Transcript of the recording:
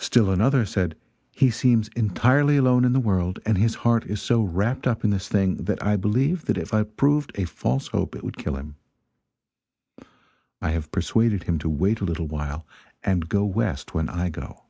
Still another said: "He seems entirely alone in the world, and his heart is so wrapped up in this thing that I believe that if it proved a false hope, it would kill him; I have persuaded him to wait a little while and go west when I go."